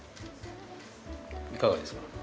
いかがですか？